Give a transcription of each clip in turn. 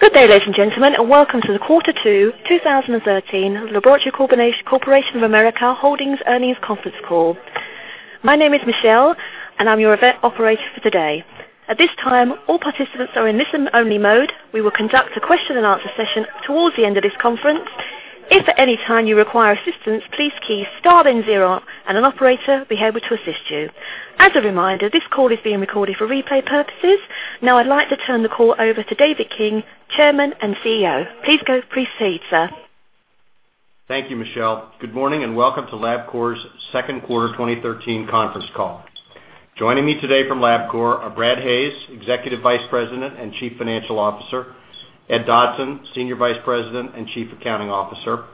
Good day, ladies and gentlemen, and welcome to the quarter two 2013 Laboratory Corporation of America Holdings earnings conference call. My name is Michelle, and I'm your event operator for today. At this time, all participants are in listen-only mode. We will conduct a question-and-answer session towards the end of this conference. If at any time you require assistance, please key star then zero, and an operator will be able to assist you. As a reminder, this call is being recorded for replay purposes. Now, I'd like to turn the call over to David King, Chairman and CEO. Please go proceed, sir. Thank you, Michelle. Good morning and welcome to Labcorp's second quarter 2013 conference call. Joining me today from Labcorp are Brad Hayes, Executive Vice President and Chief Financial Officer, Ed Dodson, Senior Vice President and Chief Accounting Officer,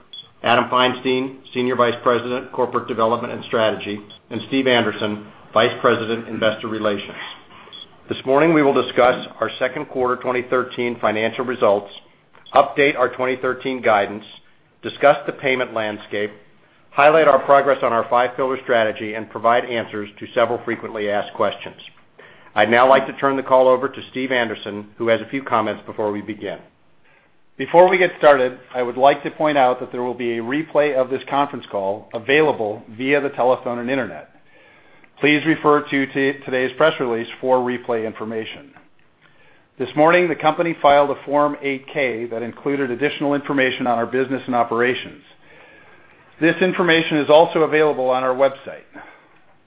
Adam Feinstein, Senior Vice President, Corporate Development and Strategy, and Steve Anderson, Vice President, Investor Relations. This morning, we will discuss our second quarter 2013 financial results, update our 2013 guidance, discuss the payment landscape, highlight our progress on our five-pillar strategy, and provide answers to several frequently asked questions. I'd now like to turn the call over to Steve Anderson, who has a few comments before we begin. Before we get started, I would like to point out that there will be a replay of this conference call available via the telephone and internet. Please refer to today's press release for replay information. This morning, the company filed a Form 8-K that included additional information on our business and operations. This information is also available on our website.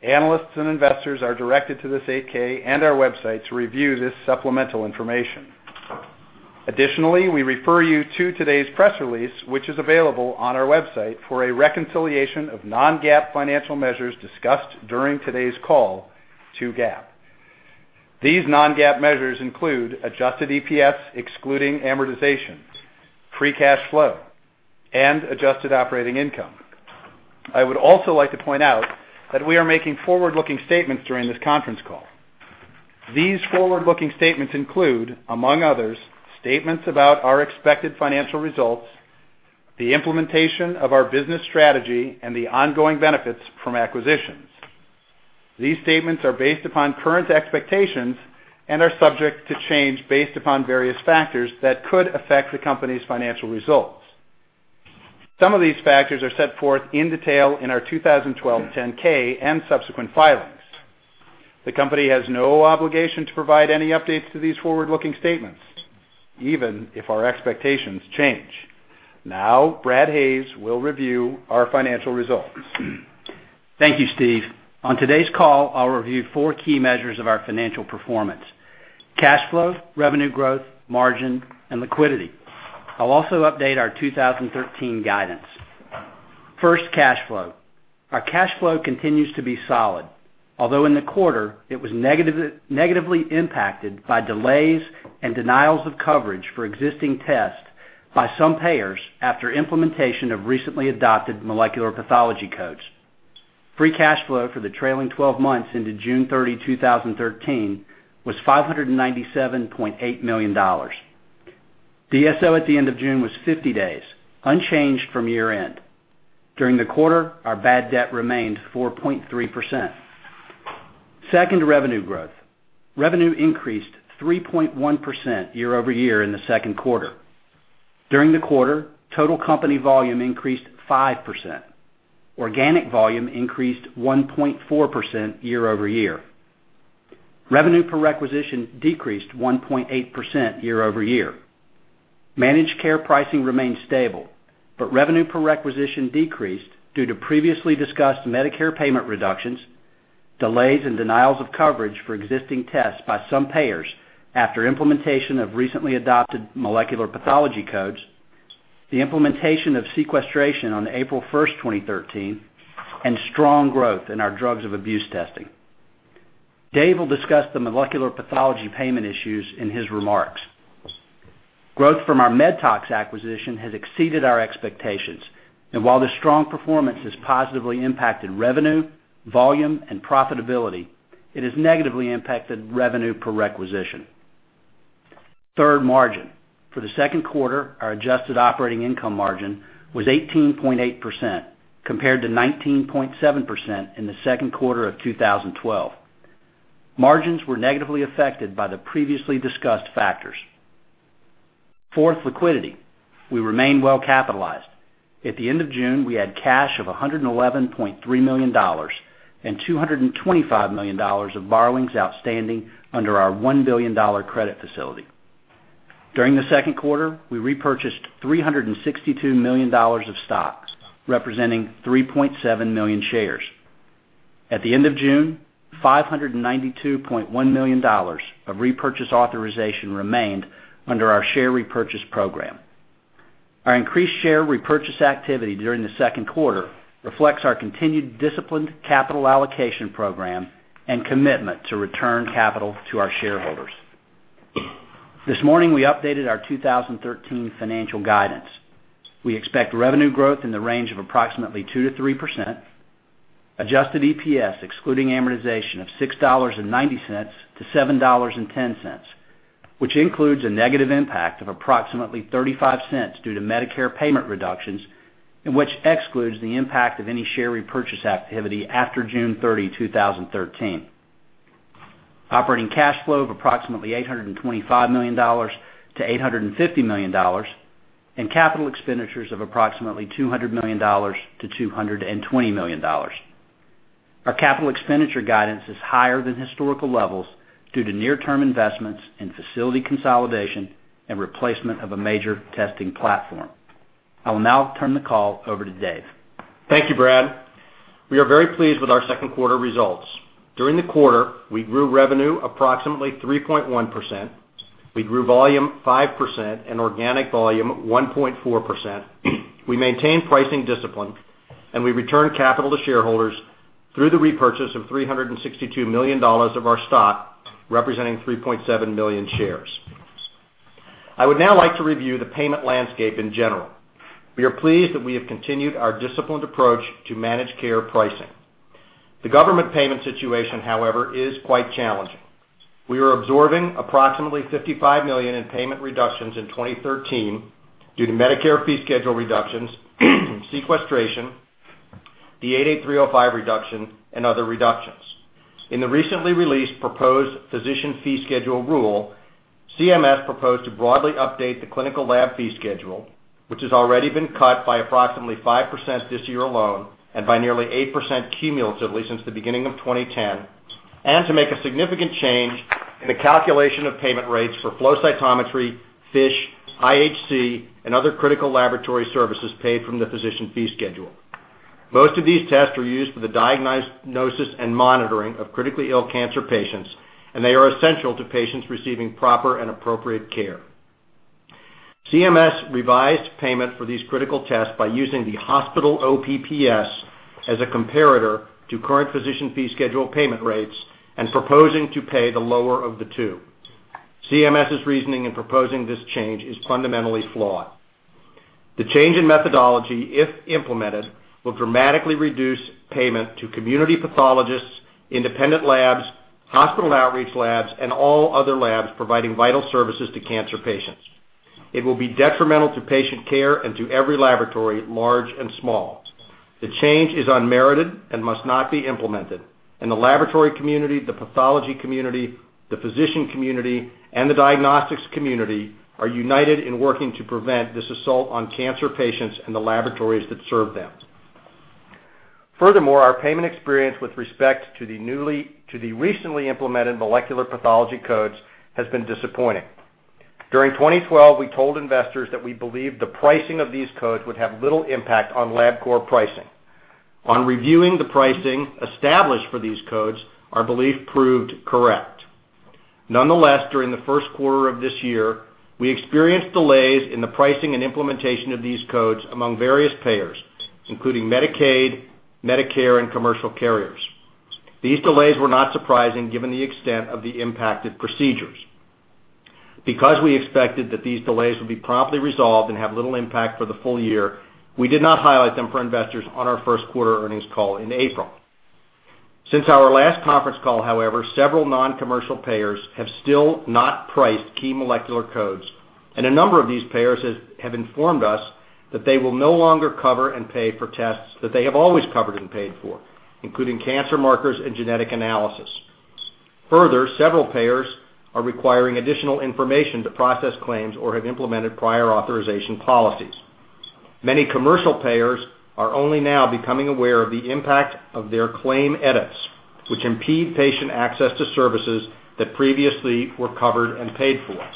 Analysts and investors are directed to this 8K and our website to review this supplemental information. Additionally, we refer you to today's press release, which is available on our website for a reconciliation of non-GAAP financial measures discussed during today's call to GAAP. These non-GAAP measures include adjusted EPS excluding amortization, free cash flow, and adjusted operating income. I would also like to point out that we are making forward-looking statements during this conference call. These forward-looking statements include, among others, statements about our expected financial results, the implementation of our business strategy, and the ongoing benefits from acquisitions. These statements are based upon current expectations and are subject to change based upon various factors that could affect the company's financial results. Some of these factors are set forth in detail in our 2012 10-K and subsequent filings. The company has no obligation to provide any updates to these forward-looking statements, even if our expectations change. Now, Brad Hayes will review our financial results. Thank you, Steve. On today's call, I'll review four key measures of our financial performance: cash flow, revenue growth, margin, and liquidity. I'll also update our 2013 guidance. First, cash flow. Our cash flow continues to be solid, although in the quarter it was negatively impacted by delays and denials of coverage for existing tests by some payers after implementation of recently adopted molecular pathology codes. Free cash flow for the trailing 12 months into June 30, 2013, was $597.8 million. DSO at the end of June was 50 days, unchanged from year-end. During the quarter, our bad debt remained 4.3%. Second, revenue growth. Revenue increased 3.1% year-over-year in the second quarter. During the quarter, total company volume increased 5%. Organic volume increased 1.4% year-over-year. Revenue per requisition decreased 1.8% year-over-year. Managed care pricing remained stable, but revenue per requisition decreased due to previously discussed Medicare payment reductions, delays and denials of coverage for existing tests by some payers after implementation of recently adopted molecular pathology codes, the implementation of sequestration on April 1st, 2013, and strong growth in our drugs of abuse testing. Dave will discuss the molecular pathology payment issues in his remarks. Growth from our MedTox acquisition has exceeded our expectations, and while the strong performance has positively impacted revenue, volume, and profitability, it has negatively impacted revenue per requisition. Third, margin. For the second quarter, our adjusted operating income margin was 18.8%, compared to 19.7% in the second quarter of 2012. Margins were negatively affected by the previously discussed factors. Fourth, liquidity. We remain well-capitalized. At the end of June, we had cash of $111.3 million and $225 million of borrowings outstanding under our $1 billion credit facility. During the second quarter, we repurchased $362 million of stocks, representing 3.7 million shares. At the end of June, $592.1 million of repurchase authorization remained under our share repurchase program. Our increased share repurchase activity during the second quarter reflects our continued disciplined capital allocation program and commitment to return capital to our shareholders. This morning, we updated our 2013 financial guidance. We expect revenue growth in the range of approximately 2%-3%, adjusted EPS excluding amortization of $6.90-$7.10, which includes a negative impact of approximately $0.35 due to Medicare payment reductions, and which excludes the impact of any share repurchase activity after June 30, 2013. Operating cash flow of approximately $825 million-$850 million, and capital expenditures of approximately $200 million-$220 million. Our capital expenditure guidance is higher than historical levels due to near-term investments in facility consolidation and replacement of a major testing platform. I will now turn the call over to Dave. Thank you, Brad. We are very pleased with our second quarter results. During the quarter, we grew revenue approximately 3.1%. We grew volume 5% and organic volume 1.4%. We maintained pricing discipline, and we returned capital to shareholders through the repurchase of $362 million of our stock, representing 3.7 million shares. I would now like to review the payment landscape in general. We are pleased that we have continued our disciplined approach to managed care pricing. The government payment situation, however, is quite challenging. We were absorbing approximately $55 million in payment reductions in 2013 due to Medicare fee schedule reductions, sequestration, the 88305 reduction, and other reductions. In the recently released proposed physician fee schedule rule, CMS proposed to broadly update the clinical lab fee schedule, which has already been cut by approximately 5% this year alone and by nearly 8% cumulatively since the beginning of 2010, and to make a significant change in the calculation of payment rates for flow cytometry, FISH, IHC, and other critical laboratory services paid from the physician fee schedule. Most of these tests are used for the diagnosis and monitoring of critically ill cancer patients, and they are essential to patients receiving proper and appropriate care. CMS revised payment for these critical tests by using the hospital OPPS as a comparator to current physician fee schedule payment rates and proposing to pay the lower of the two. CMS's reasoning in proposing this change is fundamentally flawed. The change in methodology, if implemented, will dramatically reduce payment to community pathologists, independent labs, hospital outreach labs, and all other labs providing vital services to cancer patients. It will be detrimental to patient care and to every laboratory, large and small. The change is unmerited and must not be implemented, and the laboratory community, the pathology community, the physician community, and the diagnostics community are united in working to prevent this assault on cancer patients and the laboratories that serve them. Furthermore, our payment experience with respect to the recently implemented molecular pathology codes has been disappointing. During 2012, we told investors that we believed the pricing of these codes would have little impact on Labcorp pricing. On reviewing the pricing established for these codes, our belief proved correct. Nonetheless, during the first quarter of this year, we experienced delays in the pricing and implementation of these codes among various payers, including Medicaid, Medicare, and commercial carriers. These delays were not surprising given the extent of the impacted procedures. Because we expected that these delays would be promptly resolved and have little impact for the full year, we did not highlight them for investors on our first quarter earnings call in April. Since our last conference call, however, several non-commercial payers have still not priced key molecular codes, and a number of these payers have informed us that they will no longer cover and pay for tests that they have always covered and paid for, including cancer markers and genetic analysis. Further, several payers are requiring additional information to process claims or have implemented prior authorization policies. Many commercial payers are only now becoming aware of the impact of their claim edits, which impede patient access to services that previously were covered and paid for.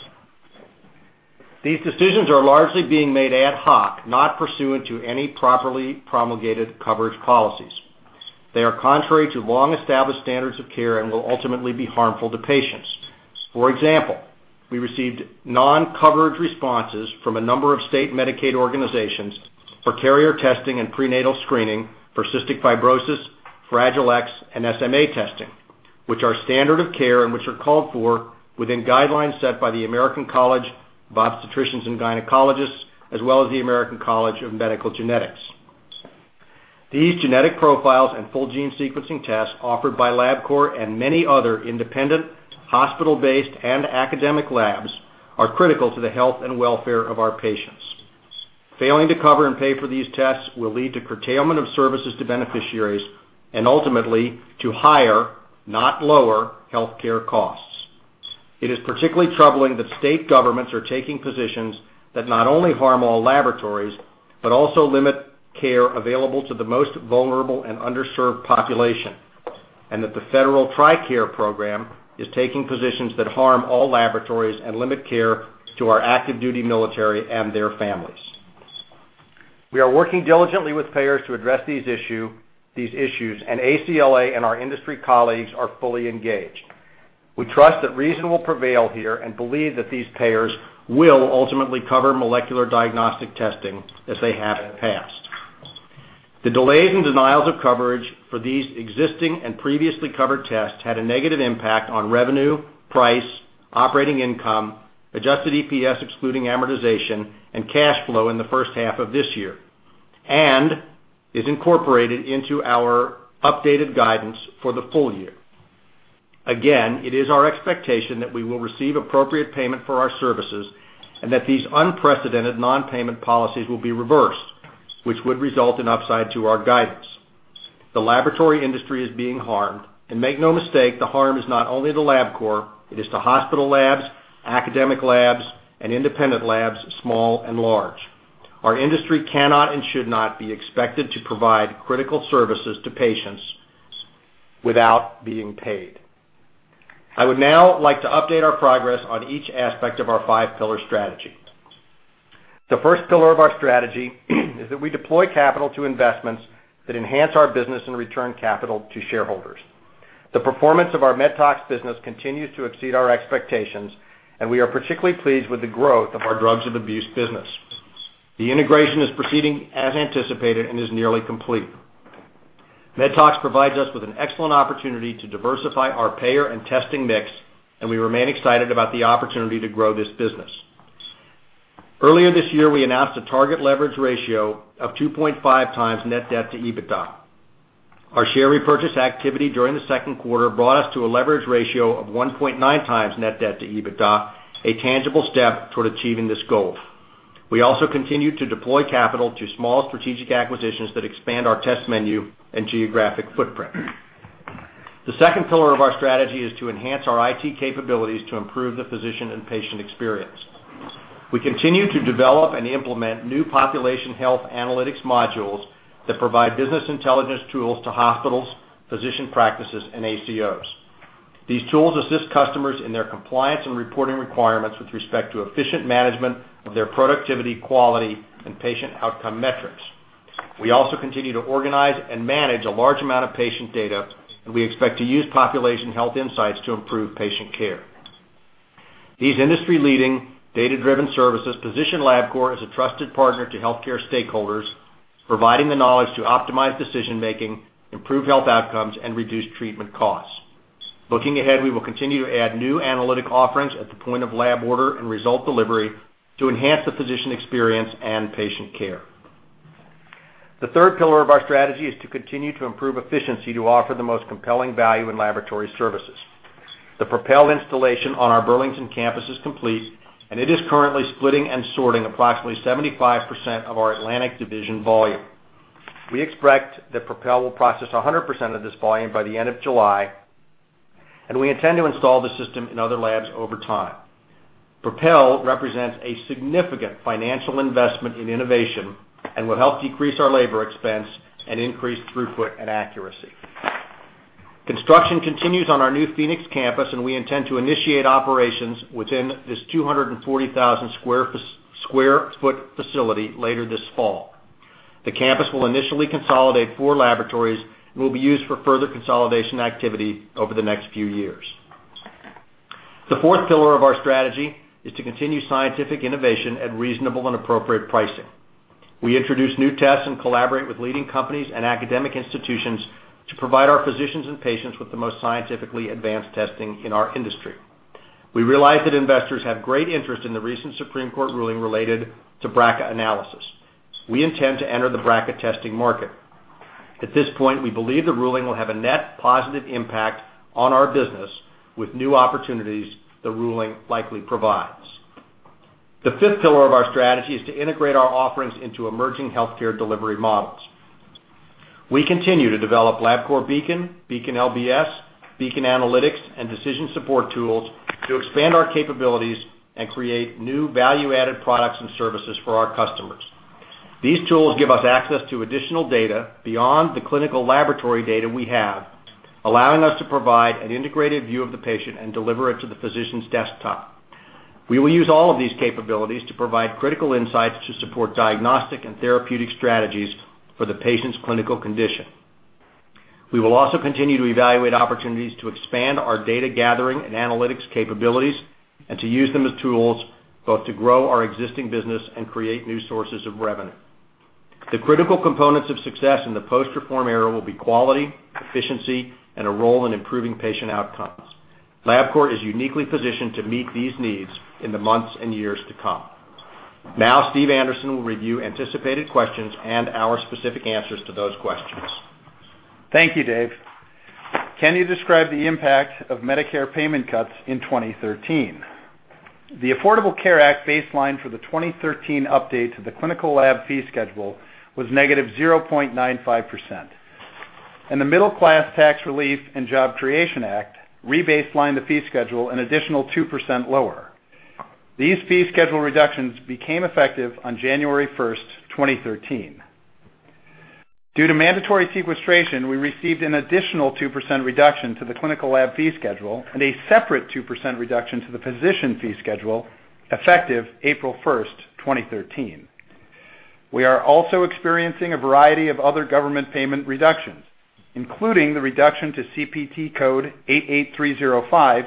These decisions are largely being made ad hoc, not pursuant to any properly promulgated coverage policies. They are contrary to long-established standards of care and will ultimately be harmful to patients. For example, we received non-coverage responses from a number of state Medicaid organizations for carrier testing and prenatal screening for cystic fibrosis, Fragile X, and SMA testing, which are standard of care and which are called for within guidelines set by the American College of Obstetricians and Gynecologists, as well as the American College of Medical Genetics. These genetic profiles and full-gene sequencing tests offered by Labcorp and many other independent, hospital-based, and academic labs are critical to the health and welfare of our patients. Failing to cover and pay for these tests will lead to curtailment of services to beneficiaries and ultimately to higher, not lower, healthcare costs. It is particularly troubling that state governments are taking positions that not only harm all laboratories but also limit care available to the most vulnerable and underserved population, and that the federal TRICARE program is taking positions that harm all laboratories and limit care to our active-duty military and their families. We are working diligently with payers to address these issues, and ACLA and our industry colleagues are fully engaged. We trust that reason will prevail here and believe that these payers will ultimately cover molecular diagnostic testing as they have in the past. The delays and denials of coverage for these existing and previously covered tests had a negative impact on revenue, price, operating income, adjusted EPS excluding amortization, and cash flow in the first half of this year, and is incorporated into our updated guidance for the full year. Again, it is our expectation that we will receive appropriate payment for our services and that these unprecedented non-payment policies will be reversed, which would result in upside to our guidance. The laboratory industry is being harmed, and make no mistake, the harm is not only to Labcorp; it is to hospital labs, academic labs, and independent labs, small and large. Our industry cannot and should not be expected to provide critical services to patients without being paid. I would now like to update our progress on each aspect of our five-pillar strategy. The first pillar of our strategy is that we deploy capital to investments that enhance our business and return capital to shareholders. The performance of our MedTox business continues to exceed our expectations, and we are particularly pleased with the growth of our drugs of abuse business. The integration is proceeding as anticipated and is nearly complete. MedTox provides us with an excellent opportunity to diversify our payer and testing mix, and we remain excited about the opportunity to grow this business. Earlier this year, we announced a target leverage ratio of 2.5x net debt to EBITDA. Our share repurchase activity during the second quarter brought us to a leverage ratio of 1.9x net debt to EBITDA, a tangible step toward achieving this goal. We also continue to deploy capital to small strategic acquisitions that expand our test menu and geographic footprint. The second pillar of our strategy is to enhance our IT capabilities to improve the physician and patient experience. We continue to develop and implement new population health analytics modules that provide business intelligence tools to hospitals, physician practices, and ACOs. These tools assist customers in their compliance and reporting requirements with respect to efficient management of their productivity, quality, and patient outcome metrics. We also continue to organize and manage a large amount of patient data, and we expect to use population health insights to improve patient care. These industry-leading, data-driven services position Labcorp as a trusted partner to healthcare stakeholders, providing the knowledge to optimize decision-making, improve health outcomes, and reduce treatment costs. Looking ahead, we will continue to add new analytic offerings at the point of lab order and result delivery to enhance the physician experience and patient care. The third pillar of our strategy is to continue to improve efficiency to offer the most compelling value in laboratory services. The Propel installation on our Burlington campus is complete, and it is currently splitting and sorting approximately 75% of our Atlantic division volume. We expect that Propel will process 100% of this volume by the end of July, and we intend to install the system in other labs over time. Propel represents a significant financial investment in innovation and will help decrease our labor expense and increase throughput and accuracy. Construction continues on our new Phoenix campus, and we intend to initiate operations within this 240,000 sq ft facility later this fall. The campus will initially consolidate four laboratories and will be used for further consolidation activity over the next few years. The fourth pillar of our strategy is to continue scientific innovation at reasonable and appropriate pricing. We introduce new tests and collaborate with leading companies and academic institutions to provide our physicians and patients with the most scientifically advanced testing in our industry. We realize that investors have great interest in the recent Supreme Court ruling related to BRCA analysis. We intend to enter the BRCA testing market. At this point, we believe the ruling will have a net positive impact on our business with new opportunities the ruling likely provides. The fifth pillar of our strategy is to integrate our offerings into emerging healthcare delivery models. We continue to develop Labcorp Beacon, Beacon LBS, Beacon Analytics, and decision support tools to expand our capabilities and create new value-added products and services for our customers. These tools give us access to additional data beyond the clinical laboratory data we have, allowing us to provide an integrated view of the patient and deliver it to the physician's desktop. We will use all of these capabilities to provide critical insights to support diagnostic and therapeutic strategies for the patient's clinical condition. We will also continue to evaluate opportunities to expand our data gathering and analytics capabilities and to use them as tools both to grow our existing business and create new sources of revenue. The critical components of success in the post-reform era will be quality, efficiency, and a role in improving patient outcomes. Labcorp is uniquely positioned to meet these needs in the months and years to come. Now, Steve Anderson will review anticipated questions and our specific answers to those questions. Thank you, Dave. Can you describe the impact of Medicare payment cuts in 2013? The Affordable Care Act baseline for the 2013 update to the clinical lab fee schedule was negative 0.95%. The Middle Class Tax Relief and Job Creation Act rebaselined the fee schedule an additional 2% lower. These fee schedule reductions became effective on January 1st, 2013. Due to mandatory sequestration, we received an additional 2% reduction to the clinical lab fee schedule and a separate 2% reduction to the physician fee schedule effective April 1st, 2013. We are also experiencing a variety of other government payment reductions, including the reduction to CPT code 88305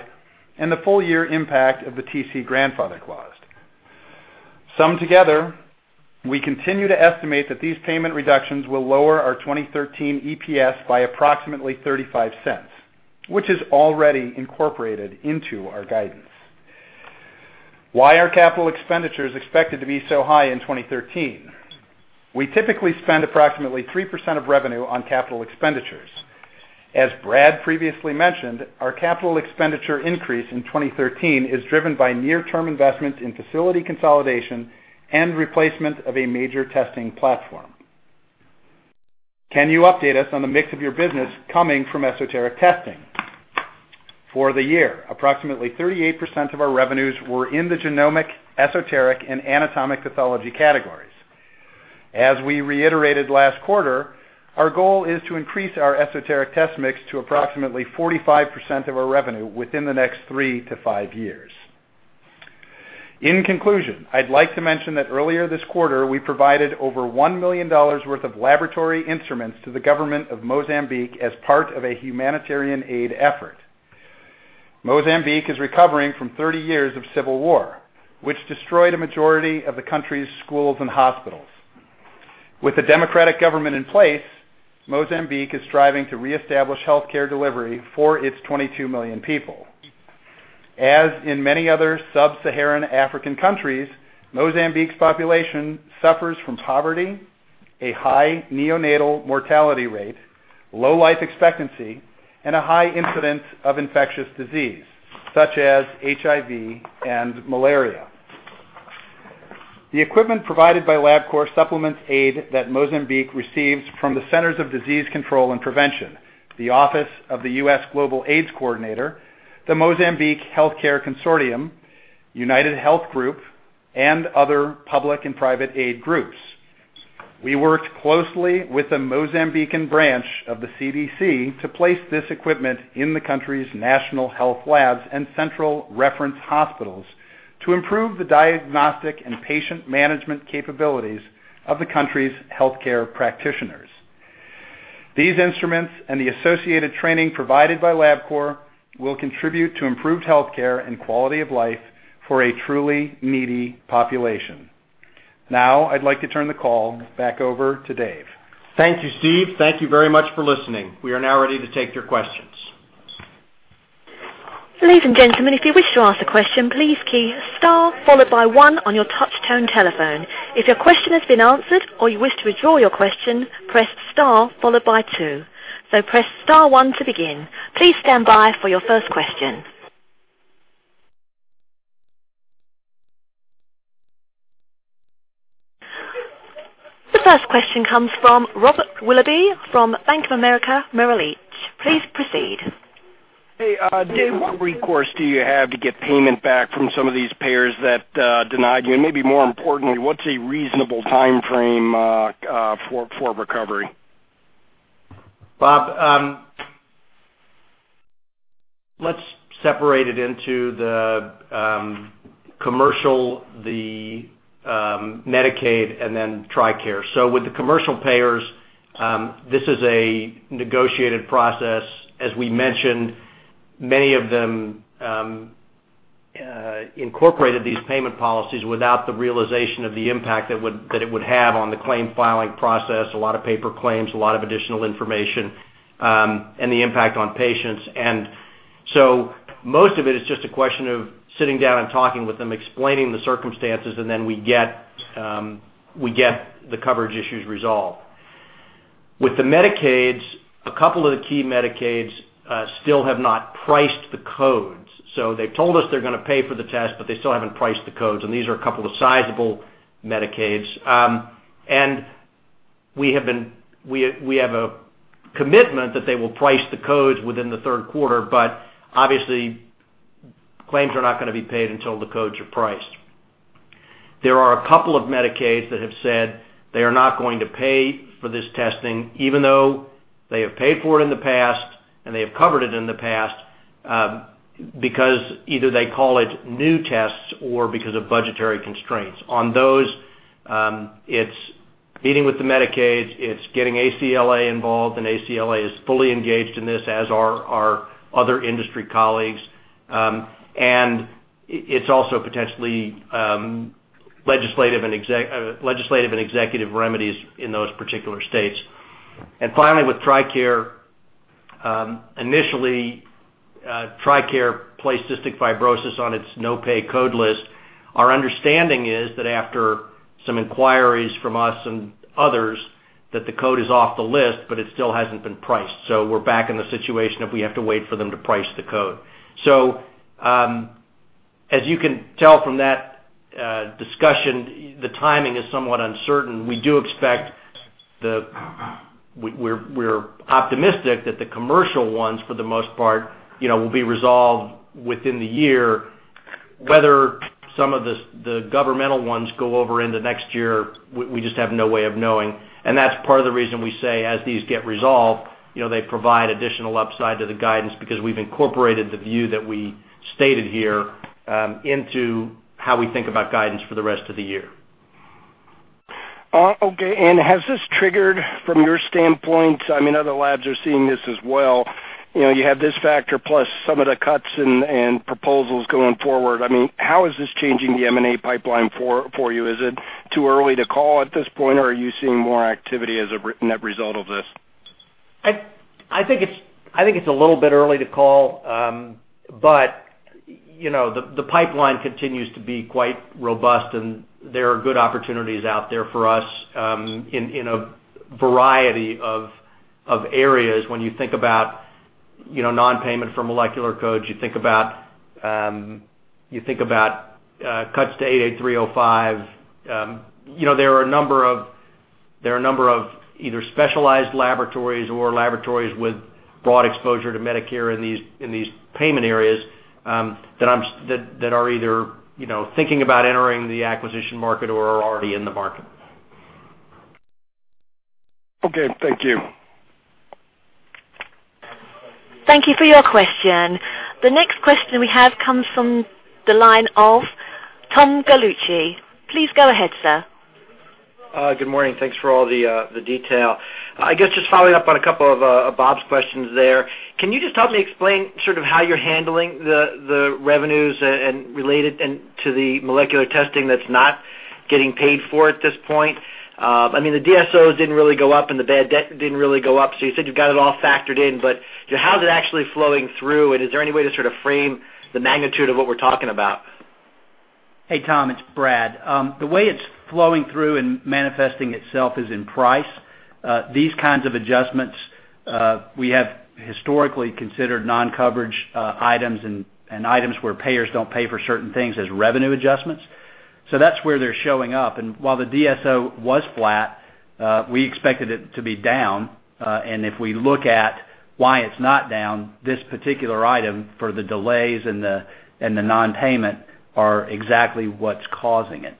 and the full-year impact of the TC Grandfather Clause. Summed together, we continue to estimate that these payment reductions will lower our 2013 EPS by approximately $0.35, which is already incorporated into our guidance. Why are capital expenditures expected to be so high in 2013? We typically spend approximately 3% of revenue on capital expenditures. As Brad previously mentioned, our capital expenditure increase in 2013 is driven by near-term investments in facility consolidation and replacement of a major testing platform. Can you update us on the mix of your business coming from esoteric testing? For the year, approximately 38% of our revenues were in the genomic, esoteric, and anatomic pathology categories. As we reiterated last quarter, our goal is to increase our esoteric test mix to approximately 45% of our revenue within the next three to five years. In conclusion, I'd like to mention that earlier this quarter, we provided over $1 million worth of laboratory instruments to the government of Mozambique as part of a humanitarian aid effort. Mozambique is recovering from 30 years of civil war, which destroyed a majority of the country's schools and hospitals. With the democratic government in place, Mozambique is striving to reestablish healthcare delivery for its 22 million people. As in many other sub-Saharan African countries, Mozambique's population suffers from poverty, a high neonatal mortality rate, low life expectancy, and a high incidence of infectious disease such as HIV and malaria. The equipment provided by Labcorp supplements aid that Mozambique receives from the Centers for Disease Control and Prevention, the Office of the U.S. Global AIDS Coordinator, the Mozambique Healthcare Consortium, United Health Group, and other public and private aid groups. We worked closely with the Mozambican branch of the CDC to place this equipment in the country's national health labs and central reference hospitals to improve the diagnostic and patient management capabilities of the country's healthcare practitioners. These instruments and the associated training provided by Labcorp will contribute to improved healthcare and quality of life for a truly needy population. Now, I'd like to turn the call back over to Dave. Thank you, Steve. Thank you very much for listening. We are now ready to take your questions. Ladies and gentlemen, if you wish to ask a question, please key star followed by one on your touch-tone telephone. If your question has been answered or you wish to withdraw your question, press star followed by two. Press star one to begin. Please stand by for your first question. The first question comes from Robert Willoughby from Bank of America, Merrill Lynch. Please proceed. Hey, Dave, what recourse do you have to get payment back from some of these payers that denied you? And maybe more importantly, what's a reasonable timeframe for recovery? Bob, let's separate it into the commercial, the Medicaid, and then TRICARE. With the commercial payers, this is a negotiated process. As we mentioned, many of them incorporated these payment policies without the realization of the impact that it would have on the claim filing process, a lot of paper claims, a lot of additional information, and the impact on patients. Most of it is just a question of sitting down and talking with them, explaining the circumstances, and then we get the coverage issues resolved. With the Medicaids, a couple of the key Medicaids still have not priced the codes. They have told us they are going to pay for the test, but they still have not priced the codes. These are a couple of sizable Medicaids. We have a commitment that they will price the codes within the third quarter, but obviously, claims are not going to be paid until the codes are priced. There are a couple of Medicaids that have said they are not going to pay for this testing, even though they have paid for it in the past and they have covered it in the past because either they call it new tests or because of budgetary constraints. On those, it is meeting with the Medicaids, it is getting ACLA involved, and ACLA is fully engaged in this, as are our other industry colleagues. It is also potentially legislative and executive remedies in those particular states. Finally, with TRICARE, initially, TRICARE placed cystic fibrosis on its no-pay code list. Our understanding is that after some inquiries from us and others, the code is off the list, but it still has not been priced. We are back in the situation of we have to wait for them to price the code. As you can tell from that discussion, the timing is somewhat uncertain. We do expect that, we're optimistic that the commercial ones, for the most part, will be resolved within the year. Whether some of the governmental ones go over into the next year, we just have no way of knowing. That is part of the reason we say as these get resolved, they provide additional upside to the guidance because we've incorporated the view that we stated here into how we think about guidance for the rest of the year. Okay. Has this triggered, from your standpoint, I mean, other labs are seeing this as well. You have this factor plus some of the cuts and proposals going forward. I mean, how is this changing the M&A pipeline for you? Is it too early to call at this point, or are you seeing more activity as a net result of this? I think it's a little bit early to call, but the pipeline continues to be quite robust, and there are good opportunities out there for us in a variety of areas. When you think about non-payment for molecular codes, you think about cuts to 88305. There are a number of either specialized laboratories or laboratories with broad exposure to Medicare in these payment areas that are either thinking about entering the acquisition market or are already in the market. Okay. Thank you. Thank you for your question. The next question we have comes from the line of Tom Gallucci. Please go ahead, sir. Good morning. Thanks for all the detail. I guess just following up on a couple of Bob's questions there. Can you just help me explain sort of how you're handling the revenues related to the molecular testing that's not getting paid for at this point? I mean, the DSOs didn't really go up and the bad debt didn't really go up. You said you've got it all factored in, but how's it actually flowing through, and is there any way to sort of frame the magnitude of what we're talking about? Hey, Tom, it's Brad. The way it's flowing through and manifesting itself is in price. These kinds of adjustments, we have historically considered non-coverage items and items where payers don't pay for certain things as revenue adjustments. That's where they're showing up. While the DSO was flat, we expected it to be down. If we look at why it's not down, this particular item for the delays and the non-payment are exactly what's causing it.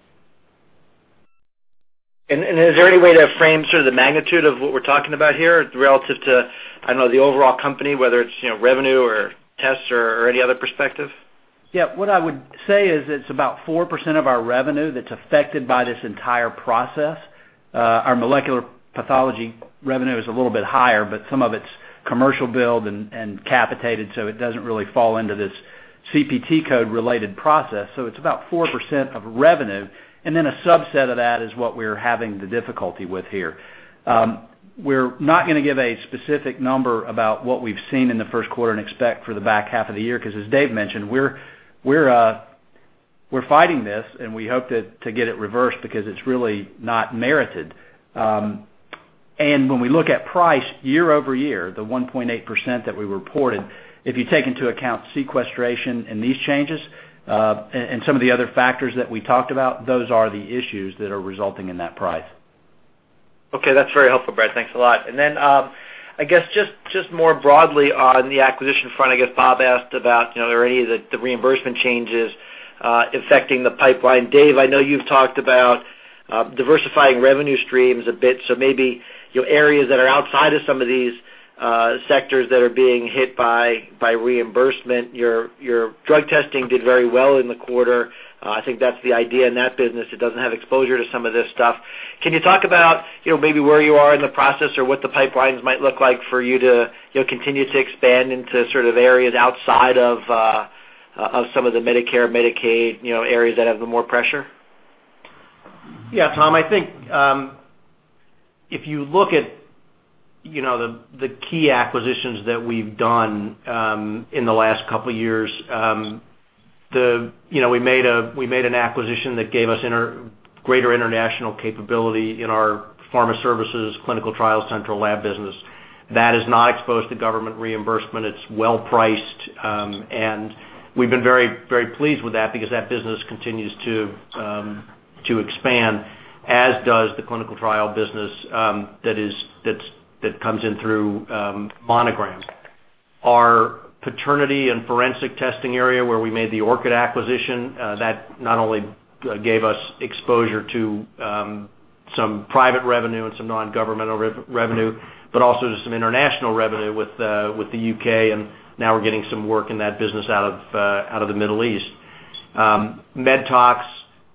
Is there any way to frame sort of the magnitude of what we're talking about here relative to, I don't know, the overall company, whether it's revenue or tests or any other perspective? Yeah. What I would say is it's about 4% of our revenue that's affected by this entire process. Our molecular pathology revenue is a little bit higher, but some of it's commercial billed and capitated, so it doesn't really fall into this CPT code-related process. It's about 4% of revenue. A subset of that is what we're having the difficulty with here. We're not going to give a specific number about what we've seen in the first quarter and expect for the back half of the year because, as Dave mentioned, we're fighting this, and we hope to get it reversed because it's really not merited. When we look at price year over year, the 1.8% that we reported, if you take into account sequestration and these changes and some of the other factors that we talked about, those are the issues that are resulting in that price. Okay. That's very helpful, Brad. Thanks a lot. I guess just more broadly on the acquisition front, I guess Bob asked about are any of the reimbursement changes affecting the pipeline? Dave, I know you've talked about diversifying revenue streams a bit. Maybe areas that are outside of some of these sectors that are being hit by reimbursement. Your drug testing did very well in the quarter. I think that's the idea in that business. It doesn't have exposure to some of this stuff. Can you talk about maybe where you are in the process or what the pipelines might look like for you to continue to expand into sort of areas outside of some of the Medicare, Medicaid areas that have the more pressure? Yeah, Tom, I think if you look at the key acquisitions that we've done in the last couple of years, we made an acquisition that gave us greater international capability in our pharma services, clinical trials, central lab business. That is not exposed to government reimbursement. It's well priced. And we've been very, very pleased with that because that business continues to expand, as does the clinical trial business that comes in through Monogram. Our paternity and forensic testing area where we made the Orchid acquisition, that not only gave us exposure to some private revenue and some non-governmental revenue, but also to some international revenue with the U.K. Now we're getting some work in that business out of the Middle East. MedTox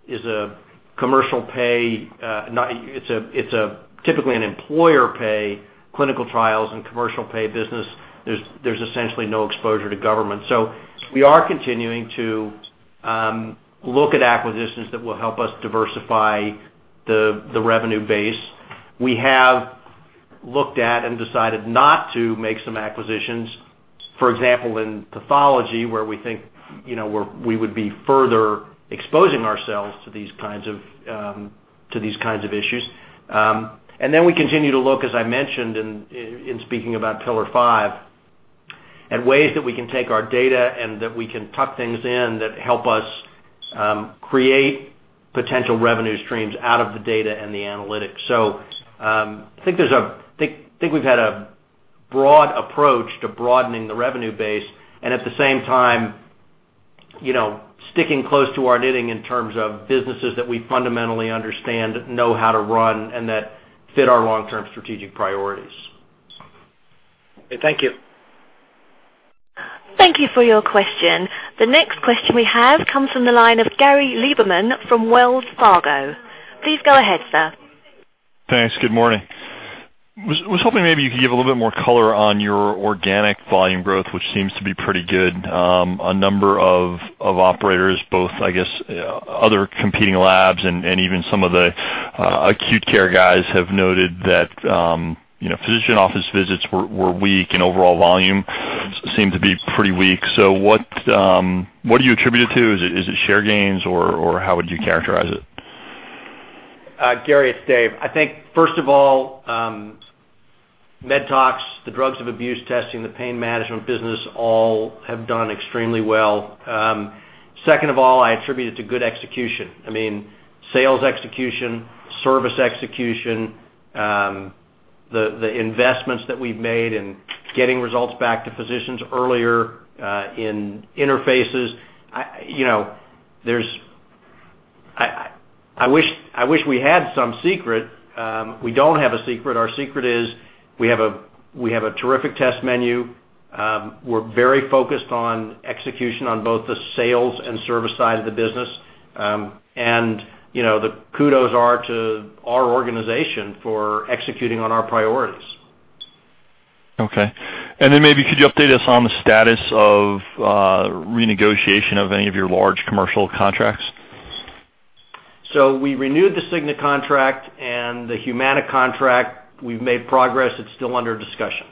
is a commercial pay. It's typically an employer pay clinical trials and commercial pay business. There's essentially no exposure to government. We are continuing to look at acquisitions that will help us diversify the revenue base. We have looked at and decided not to make some acquisitions, for example, in pathology, where we think we would be further exposing ourselves to these kinds of issues. We continue to look, as I mentioned in speaking about Pillar Five, at ways that we can take our data and that we can tuck things in that help us create potential revenue streams out of the data and the analytics. I think we've had a broad approach to broadening the revenue base and at the same time sticking close to our knitting in terms of businesses that we fundamentally understand, know how to run, and that fit our long-term strategic priorities. Thank you. Thank you for your question. The next question we have comes from the line of Gary Lieberman from Wells Fargo. Please go ahead, sir. Thanks. Good morning. I was hoping maybe you could give a little bit more color on your organic volume growth, which seems to be pretty good. A number of operators, both, I guess, other competing labs and even some of the acute care guys have noted that physician office visits were weak and overall volume seemed to be pretty weak. So what do you attribute it to? Is it share gains or how would you characterize it? Gary, it's Dave. I think, first of all, MedTox, the drugs of abuse testing, the pain management business, all have done extremely well. Second of all, I attribute it to good execution. I mean, sales execution, service execution, the investments that we've made in getting results back to physicians earlier in interfaces. I wish we had some secret. We don't have a secret. Our secret is we have a terrific test menu. We're very focused on execution on both the sales and service side of the business. The kudos are to our organization for executing on our priorities. Okay. And then maybe could you update us on the status of renegotiation of any of your large commercial contracts? So we renewed the Cigna contract and the Humana contract. We've made progress. It's still under discussion.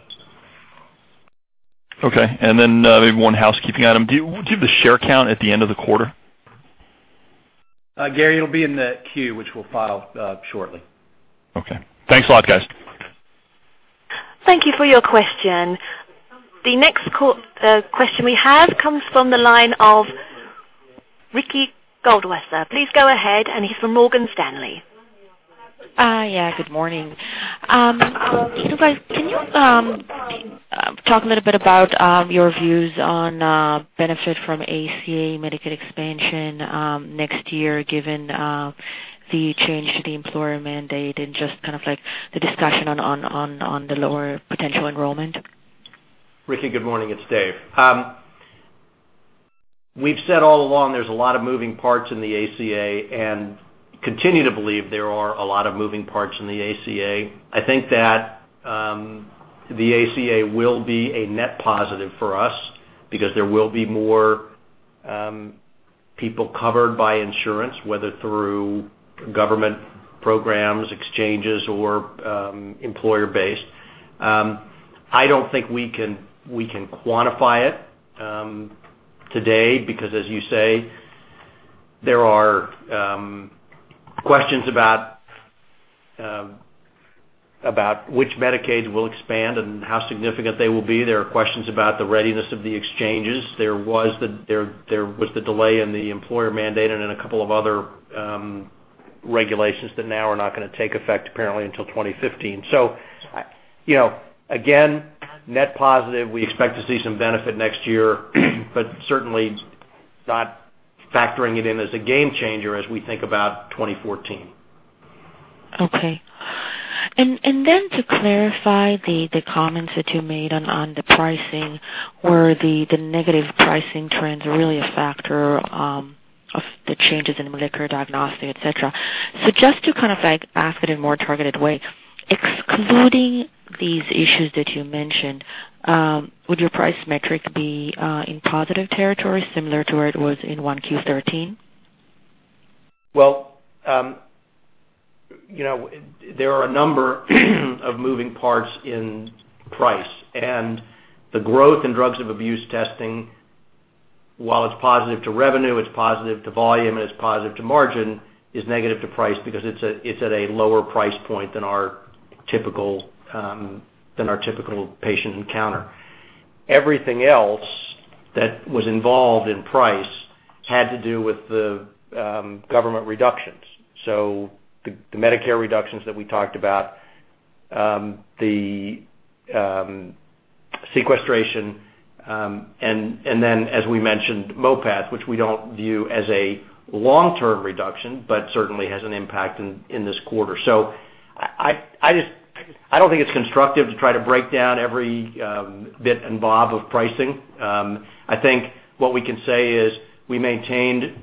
Okay. And then maybe one housekeeping item. Do you have the share count at the end of the quarter? Gary, it'll be in the queue, which we'll file shortly. Okay. Thanks a lot, guys. Thank you for your question. The next question we have comes from the line of Ricky Goldwasser. Please go ahead. And he's from Morgan Stanley. Yeah. Good morning. So guys, can you talk a little bit about your views on benefit from ACA Medicaid expansion next year given the change to the employer mandate and just kind of like the discussion on the lower potential enrollment? Ricky, good morning. It's Dave. We've said all along there's a lot of moving parts in the ACA and continue to believe there are a lot of moving parts in the ACA. I think that the ACA will be a net positive for us because there will be more people covered by insurance, whether through government programs, exchanges, or employer-based. I don't think we can quantify it today because, as you say, there are questions about which Medicaids will expand and how significant they will be. There are questions about the readiness of the exchanges. There was the delay in the employer mandate and in a couple of other regulations that now are not going to take effect apparently until 2015. Again, net positive. We expect to see some benefit next year, but certainly not factoring it in as a game changer as we think about 2014. Okay. To clarify the comments that you made on the pricing, were the negative pricing trends really a factor of the changes in Medicare diagnostic, etc.? Just to kind of ask it in a more targeted way, excluding these issues that you mentioned, would your price metric be in positive territory similar to where it was in 1Q 2013? There are a number of moving parts in price. The growth in drugs of abuse testing, while it is positive to revenue, it is positive to volume, and it is positive to margin, is negative to price because it is at a lower price point than our typical patient encounter. Everything else that was involved in price had to do with the government reductions. The Medicare reductions that we talked about, the sequestration, and then, as we mentioned, MOPAS, which we do not view as a long-term reduction, but certainly has an impact in this quarter. I do not think it is constructive to try to break down every bit and bob of pricing. I think what we can say is we maintained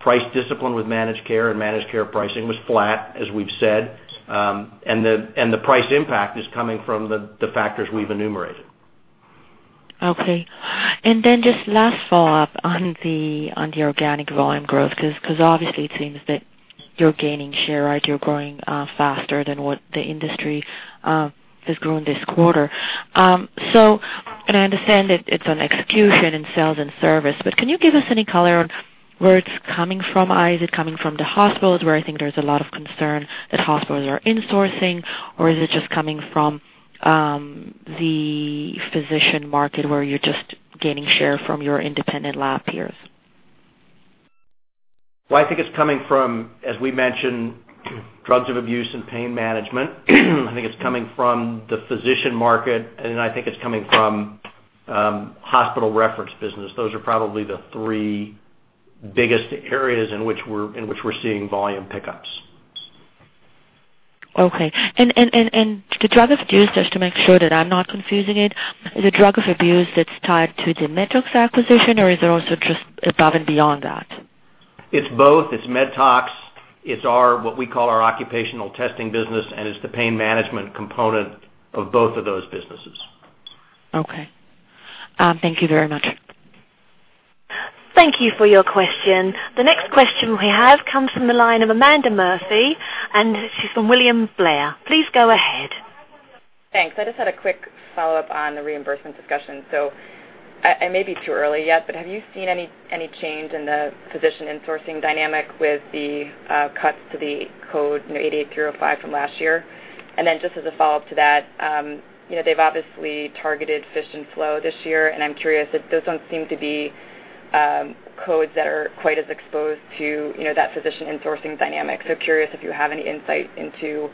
price discipline with managed care and managed care pricing was flat, as we have said. The price impact is coming from the factors we have enumerated. Okay. Just last follow-up on the organic volume growth because obviously it seems that you are gaining share or you are growing faster than what the industry has grown this quarter. I understand that it is an execution in sales and service, but can you give us any color on where it is coming from? Is it coming from the hospitals where I think there's a lot of concern that hospitals are insourcing, or is it just coming from the physician market where you're just gaining share from your independent lab peers? I think it's coming from, as we mentioned, drugs of abuse and pain management. I think it's coming from the physician market, and then I think it's coming from hospital reference business. Those are probably the three biggest areas in which we're seeing volume pickups. Okay. And the drug of abuse, just to make sure that I'm not confusing it, is it drug of abuse that's tied to the MedTox acquisition, or is it also just above and beyond that? It's both. It's MedTox. It's what we call our occupational testing business, and it's the pain management component of both of those businesses. Okay. Thank you very much. Thank you for your question. The next question we have comes from the line of Amanda Murphy, and she's from William Blair. Please go ahead. Thanks. I just had a quick follow-up on the reimbursement discussion. It may be too early yet, but have you seen any change in the physician insourcing dynamic with the cuts to the code 88305 from last year? Just as a follow-up to that, they've obviously targeted FISH and flow this year, and I'm curious. Those do not seem to be codes that are quite as exposed to that physician insourcing dynamic. Curious if you have any insight into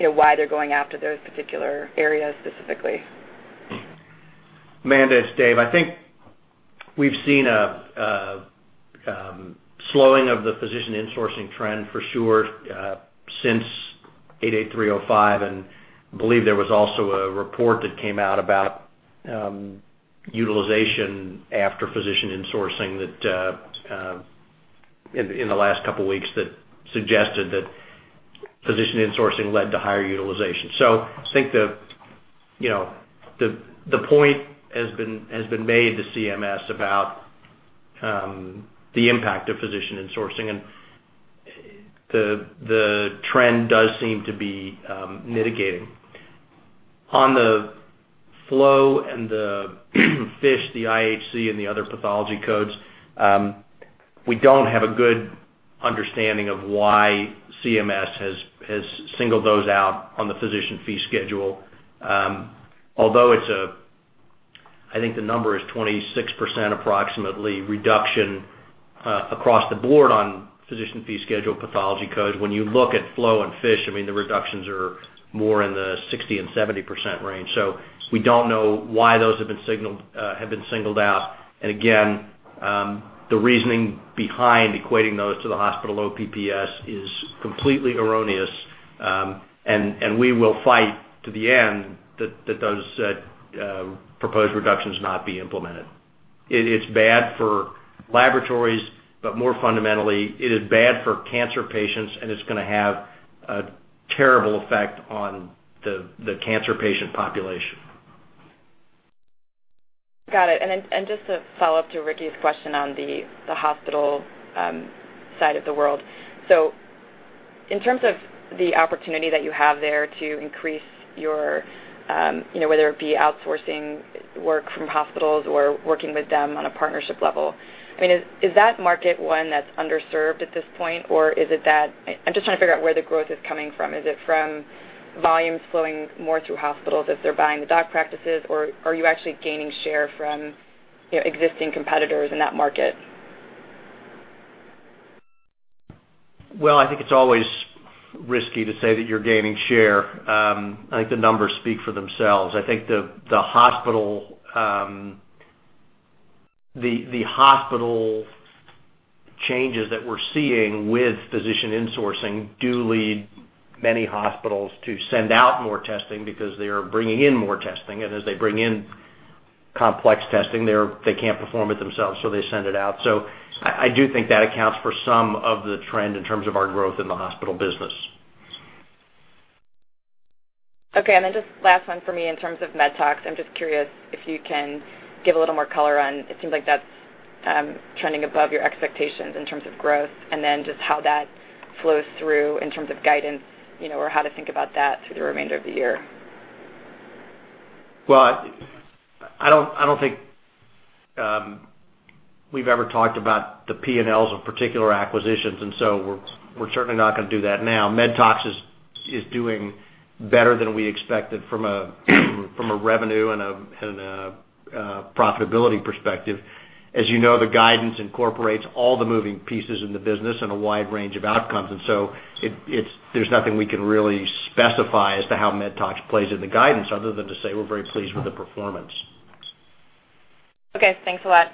why they're going after those particular areas specifically. Amanda, it's Dave. I think we've seen a slowing of the physician insourcing trend for sure since 88305. I believe there was also a report that came out about utilization after physician insourcing in the last couple of weeks that suggested that physician insourcing led to higher utilization. I think the point has been made to CMS about the impact of physician insourcing, and the trend does seem to be mitigating. On the flow and the FISH, the IHC, and the other pathology codes, we do not have a good understanding of why CMS has singled those out on the physician fee schedule. Although it is a, I think the number is 26% approximately reduction across the board on physician fee schedule pathology codes, when you look at flow and FISH, the reductions are more in the 60-70% range. We do not know why those have been singled out. Again, the reasoning behind equating those to the hospital OPPS is completely erroneous. We will fight to the end that those proposed reductions not be implemented. It's bad for laboratories, but more fundamentally, it is bad for cancer patients, and it's going to have a terrible effect on the cancer patient population. Got it. Just to follow up to Ricky's question on the hospital side of the world. In terms of the opportunity that you have there to increase your, whether it be outsourcing work from hospitals or working with them on a partnership level, I mean, is that market one that's underserved at this point, or is it that I'm just trying to figure out where the growth is coming from. Is it from volumes flowing more through hospitals as they're buying the doc practices, or are you actually gaining share from existing competitors in that market? I think it's always risky to say that you're gaining share. I think the numbers speak for themselves. I think the hospital changes that we're seeing with physician insourcing do lead many hospitals to send out more testing because they are bringing in more testing. As they bring in complex testing, they can't perform it themselves, so they send it out. I do think that accounts for some of the trend in terms of our growth in the hospital business. Okay. Just last one for me in terms of MedTox. I'm just curious if you can give a little more color on it seems like that's trending above your expectations in terms of growth and then just how that flows through in terms of guidance or how to think about that through the remainder of the year. I don't think we've ever talked about the P&Ls of particular acquisitions, and so we're certainly not going to do that now. MedTox is doing better than we expected from a revenue and a profitability perspective. As you know, the guidance incorporates all the moving pieces in the business and a wide range of outcomes. There's nothing we can really specify as to how MedTox plays in the guidance other than to say we're very pleased with the performance. Okay. Thanks a lot.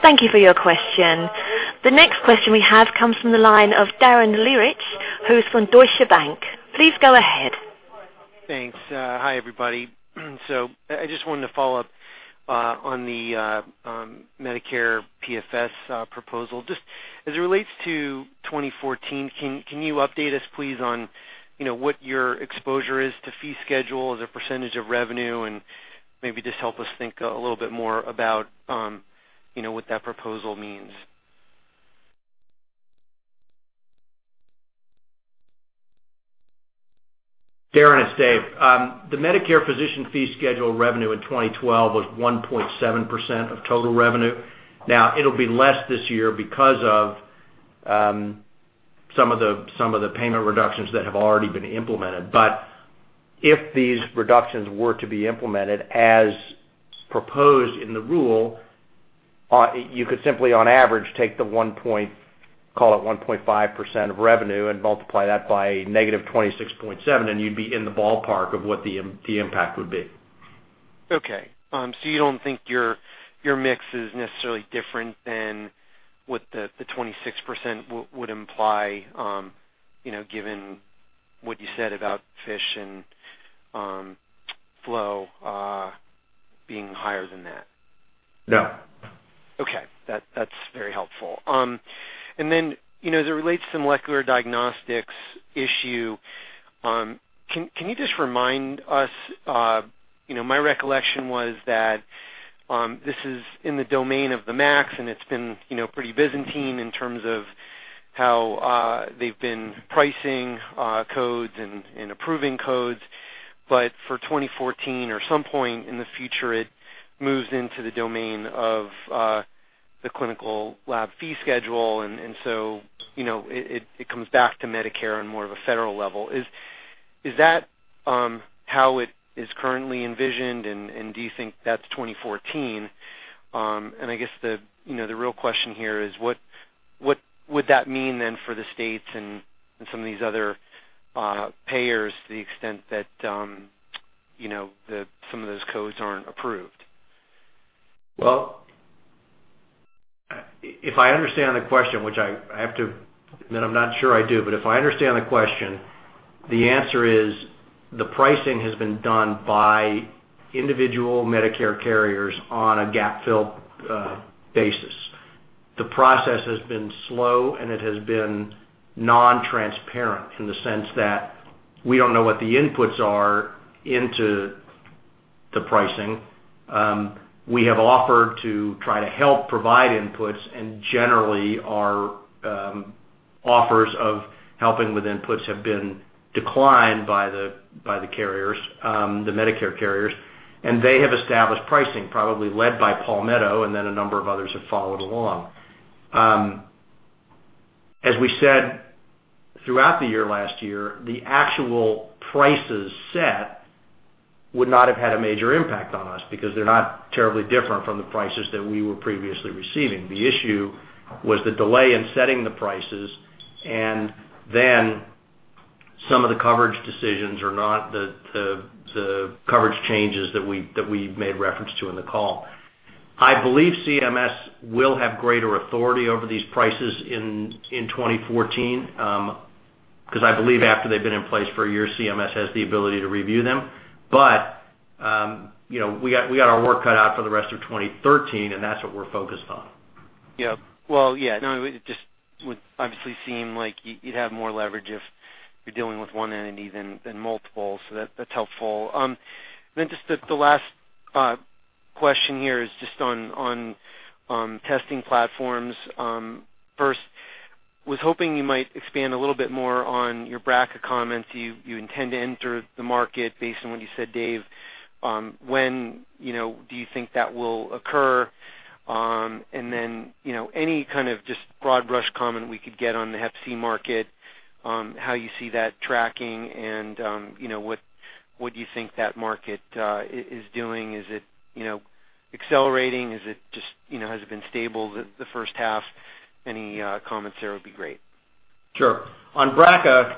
Thank you for your question. The next question we have comes from the line of Darren Lehrich, who's from Deutsche Bank. Please go ahead. Thanks. Hi, everybody. I just wanted to follow up on the Medicare PFS proposal. Just as it relates to 2014, can you update us, please, on what your exposure is to fee schedule as a percentage of revenue and maybe just help us think a little bit more about what that proposal means? Darren is Dave. The Medicare physician fee schedule revenue in 2012 was 1.7% of total revenue. Now, it'll be less this year because of some of the payment reductions that have already been implemented. If these reductions were to be implemented as proposed in the rule, you could simply, on average, take the 1.5% of revenue and multiply that by -26.7, and you'd be in the ballpark of what the impact would be. Okay. You don't think your mix is necessarily different than what the 26% would imply given what you said about FISH and flow being higher than that? No. Okay. That's very helpful. As it relates to the molecular diagnostics issue, can you just remind us? My recollection was that this is in the domain of the MACs, and it's been pretty Byzantine in terms of how they've been pricing codes and approving codes. For 2014 or some point in the future, it moves into the domain of the clinical lab fee schedule, and it comes back to Medicare on more of a federal level. Is that how it is currently envisioned, and do you think that's 2014? I guess the real question here is, what would that mean then for the states and some of these other payers to the extent that some of those codes aren't approved? If I understand the question, which I have to admit I'm not sure I do, but if I understand the question, the answer is the pricing has been done by individual Medicare carriers on a gap-filled basis. The process has been slow, and it has been non-transparent in the sense that we don't know what the inputs are into the pricing. We have offered to try to help provide inputs, and generally, our offers of helping with inputs have been declined by the carriers, the Medicare carriers. They have established pricing, probably led by Palmetto, and then a number of others have followed along. As we said throughout the year last year, the actual prices set would not have had a major impact on us because they're not terribly different from the prices that we were previously receiving. The issue was the delay in setting the prices and then some of the coverage decisions or the coverage changes that we made reference to in the call. I believe CMS will have greater authority over these prices in 2014 because I believe after they've been in place for a year, CMS has the ability to review them. We got our work cut out for the rest of 2013, and that's what we're focused on. Yeah. No, it just would obviously seem like you'd have more leverage if you're dealing with one entity than multiple. That's helpful. Just the last question here is just on testing platforms. First, I was hoping you might expand a little bit more on your BRCA comments. You intend to enter the market based on what you said, Dave. When do you think that will occur? Any kind of just broad brush comment we could get on the Hep C market, how you see that tracking, and what do you think that market is doing? Is it accelerating? Has it been stable the first half? Any comments there would be great. Sure. On BRCA,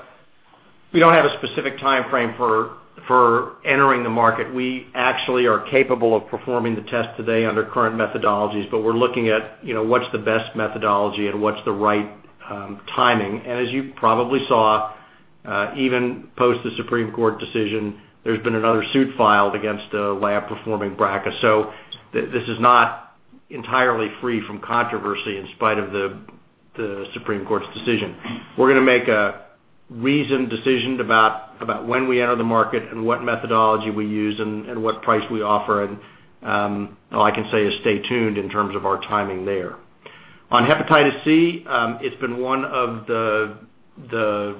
we do not have a specific timeframe for entering the market. We actually are capable of performing the test today under current methodologies, but we are looking at what is the best methodology and what is the right timing. As you probably saw, even post the Supreme Court decision, there has been another suit filed against the lab performing BRCA. This is not entirely free from controversy in spite of the Supreme Court's decision. We are going to make a reasoned decision about when we enter the market and what methodology we use and what price we offer. All I can say is stay tuned in terms of our timing there. On hepatitis C, it's been one of the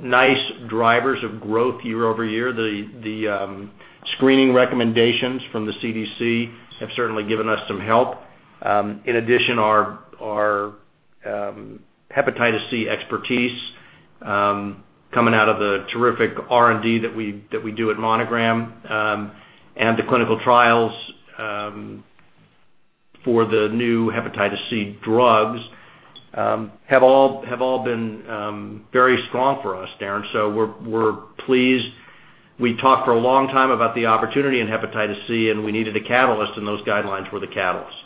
nice drivers of growth year over year. The screening recommendations from the CDC have certainly given us some help. In addition, our hepatitis C expertise coming out of the terrific R&D that we do at Monogram and the clinical trials for the new hepatitis C drugs have all been very strong for us, Daren. We're pleased. We talked for a long time about the opportunity in hepatitis C, and we needed a catalyst, and those guidelines were the catalyst.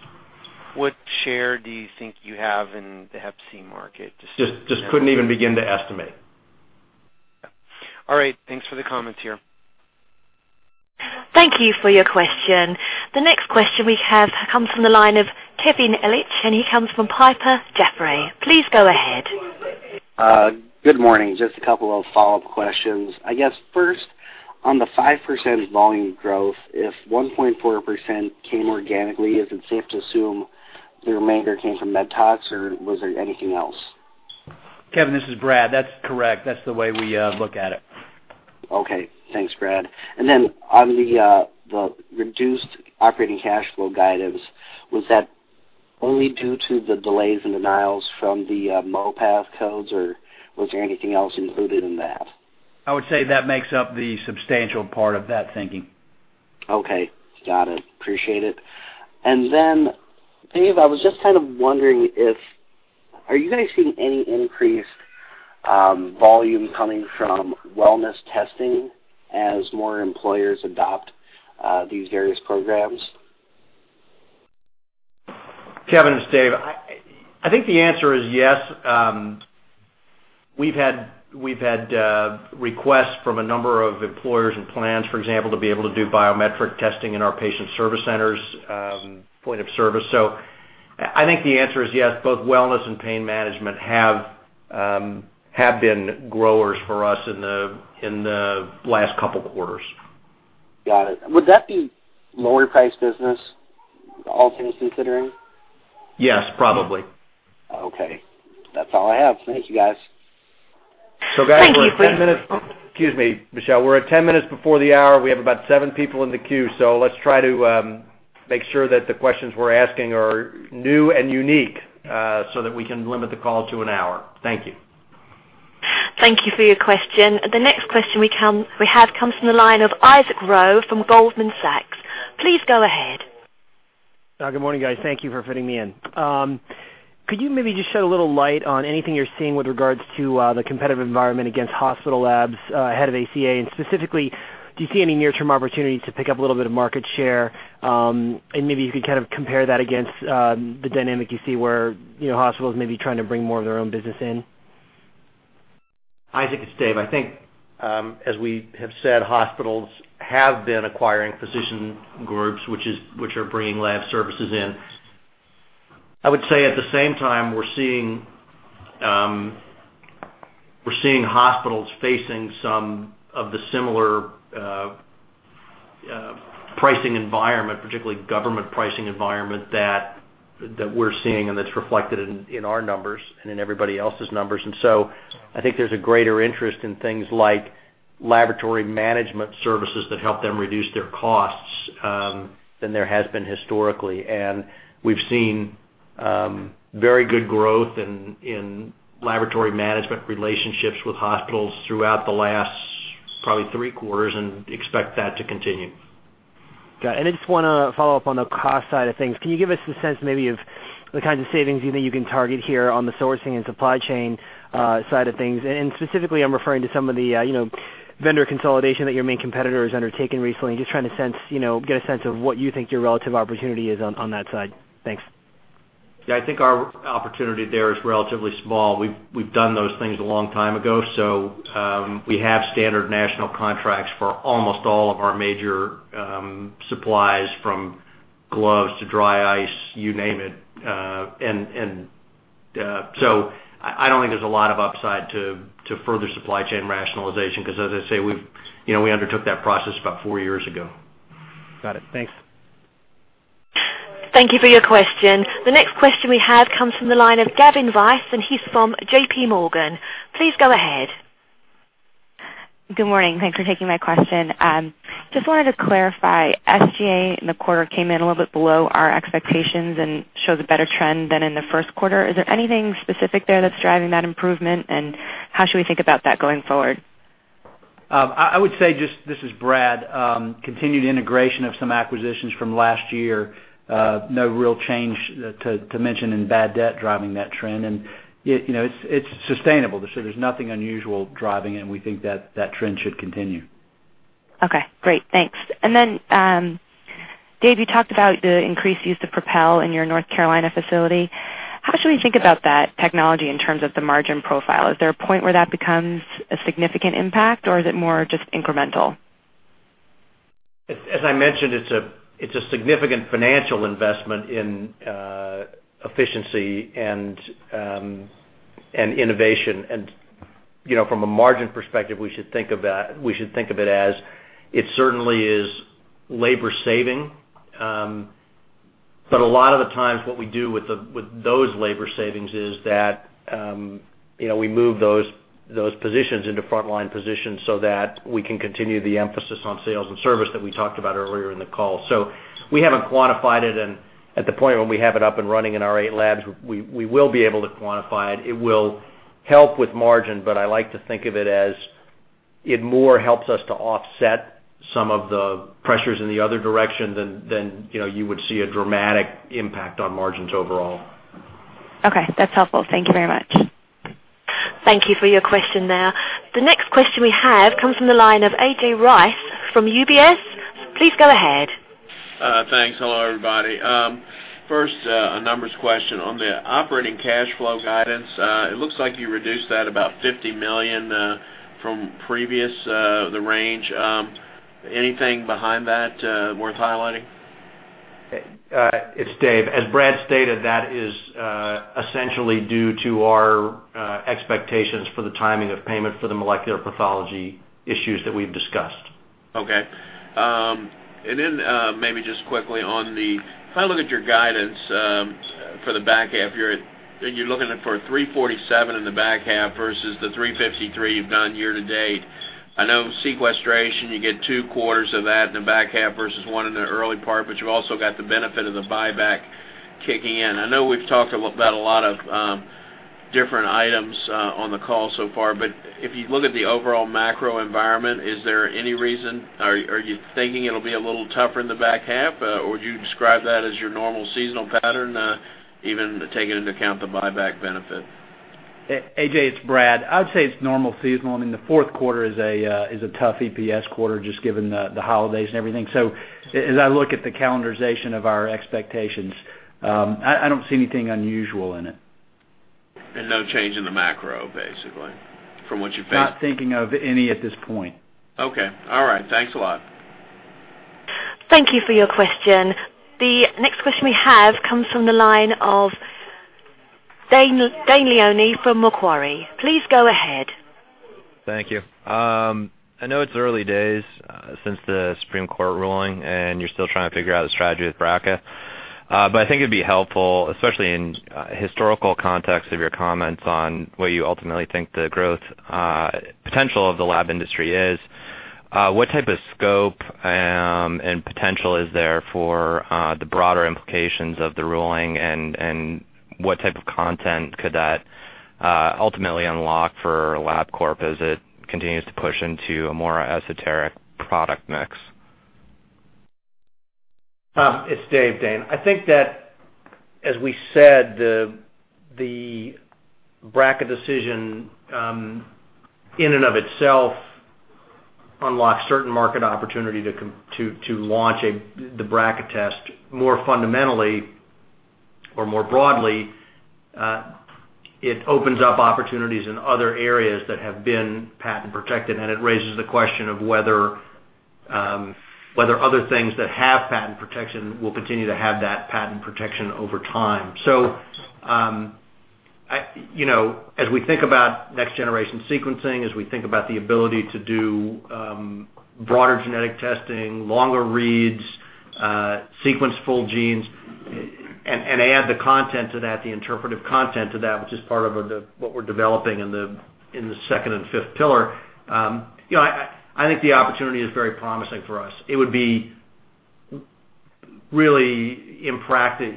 What share do you think you have in the Hep C market? Just couldn't even begin to estimate. All right. Thanks for the comments here. Thank you for your question. The next question we have comes from the line of Kevin Ellich, and he comes from Piper Jaffray. Please go ahead. Good morning. Just a couple of follow-up questions. I guess first, on the 5% volume growth, if 1.4% came organically, is it safe to assume the remainder came from MedTox, or was there anything else? Kevin, this is Brad. That's correct. That's the way we look at it. Okay. Thanks, Brad. And then on the reduced operating cash flow guidance, was that only due to the delays and denials from the MOPAS codes, or was there anything else included in that? I would say that makes up the substantial part of that thinking. Okay. Got it. Appreciate it. And then, Dave, I was just kind of wondering if are you guys seeing any increased volume coming from wellness testing as more employers adopt these various programs? Kevin, this is Dave. I think the answer is yes. We've had requests from a number of employers and plans, for example, to be able to do biometric testing in our patient service centers point of service. I think the answer is yes. Both wellness and pain management have been growers for us in the last couple of quarters. Got it. Would that be lower-priced business, all things considering? Yes, probably. Okay. That's all I have. Thank you, guys. We're at 10 minutes. Excuse me, Michelle. We're at 10 minutes before the hour. We have about seven people in the queue, so let's try to make sure that the questions we're asking are new and unique so that we can limit the call to an hour. Thank you. Thank you for your question. The next question we have comes from the line of Isaac Ro from Goldman Sachs. Please go ahead. Good morning, guys. Thank you for fitting me in. Could you maybe just shed a little light on anything you're seeing with regards to the competitive environment against hospital labs ahead of ACA? Specifically, do you see any near-term opportunities to pick up a little bit of market share? Maybe you could kind of compare that against the dynamic you see where hospitals may be trying to bring more of their own business in. Isaac, it's Dave. I think, as we have said, hospitals have been acquiring physician groups which are bringing lab services in. I would say at the same time, we're seeing hospitals facing some of the similar pricing environment, particularly government pricing environment, that we're seeing and that's reflected in our numbers and in everybody else's numbers. I think there is a greater interest in things like laboratory management services that help them reduce their costs than there has been historically. We have seen very good growth in laboratory management relationships with hospitals throughout the last probably three quarters and expect that to continue. Got it. I just want to follow up on the cost side of things. Can you give us a sense maybe of the kinds of savings you think you can target here on the sourcing and supply chain side of things? Specifically, I am referring to some of the vendor consolidation that your main competitor has undertaken recently. Just trying to get a sense of what you think your relative opportunity is on that side. Thanks. Yeah. I think our opportunity there is relatively small. We've done those things a long time ago, so we have standard national contracts for almost all of our major supplies from gloves to dry ice, you name it. I don't think there's a lot of upside to further supply chain rationalization because, as I say, we undertook that process about four years ago. Got it. Thanks. Thank you for your question. The next question we have comes from the line of Gavin Weiss, and he's from JPMorgan. Please go ahead. Good morning. Thanks for taking my question. Just wanted to clarify. SGA in the quarter came in a little bit below our expectations and shows a better trend than in the first quarter. Is there anything specific there that's driving that improvement, and how should we think about that going forward? I would say just, this is Brad, continued integration of some acquisitions from last year. No real change to mention in bad debt driving that trend. It is sustainable, so there is nothing unusual driving it, and we think that that trend should continue. Okay. Great. Thanks. Dave, you talked about the increased use of Propel in your North Carolina facility. How should we think about that technology in terms of the margin profile? Is there a point where that becomes a significant impact, or is it more just incremental? As I mentioned, it is a significant financial investment in efficiency and innovation. From a margin perspective, we should think of that. We should think of it as it certainly is labor-saving. A lot of the times, what we do with those labor savings is that we move those positions into frontline positions so that we can continue the emphasis on sales and service that we talked about earlier in the call. We have not quantified it, and at the point when we have it up and running in our eight labs, we will be able to quantify it. It will help with margin, but I like to think of it as it more helps us to offset some of the pressures in the other direction than you would see a dramatic impact on margins overall. Okay. That is helpful. Thank you very much. Thank you for your question there. The next question we have comes from the line of A.J. Rice from UBS. Please go ahead. Thanks. Hello, everybody. First, a numbers question. On the operating cash flow guidance, it looks like you reduced that about $50 million from previous the range. Anything behind that worth highlighting? It is Dave. As Brad stated, that is essentially due to our expectations for the timing of payment for the molecular pathology issues that we have discussed. Okay. And then maybe just quickly on the if I look at your guidance for the back half, you're looking at $3.47 in the back half versus the $3.53 you've done year to date. I know sequestration, you get two quarters of that in the back half versus one in the early part, but you've also got the benefit of the buyback kicking in. I know we've talked about a lot of different items on the call so far, but if you look at the overall macro environment, is there any reason? Are you thinking it'll be a little tougher in the back half, or would you describe that as your normal seasonal pattern, even taking into account the buyback benefit? A.J., it's Brad. I would say it's normal seasonal. I mean, the fourth quarter is a tough EPS quarter just given the holidays and everything. As I look at the calendarization of our expectations, I do not see anything unusual in it. No change in the macro, basically, from what you have faced? Not thinking of any at this point. Okay. All right. Thanks a lot. Thank you for your question. The next question we have comes from the line of Dane Leone from Macquarie. Please go ahead. Thank you. I know it is early days since the Supreme Court ruling, and you are still trying to figure out the strategy with BRCA. I think it would be helpful, especially in historical context of your comments on what you ultimately think the growth potential of the lab industry is. What type of scope and potential is there for the broader implications of the ruling, and what type of content could that ultimately unlock for Labcorp as it continues to push into a more esoteric product mix? It's Dave, Dane. I think that, as we said, the BRCA decision in and of itself unlocks certain market opportunity to launch the BRCA test. More fundamentally or more broadly, it opens up opportunities in other areas that have been patent-protected, and it raises the question of whether other things that have patent protection will continue to have that patent protection over time. As we think about next-generation sequencing, as we think about the ability to do broader genetic testing, longer reads, sequence full genes, and add the content to that, the interpretive content to that, which is part of what we're developing in the second and fifth pillar, I think the opportunity is very promising for us. It would be really impractical.